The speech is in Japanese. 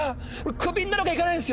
クビになるわけにいかないんですよ。